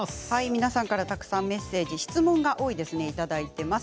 皆さんからたくさんのメッセージ、質問が多いですねいただいています。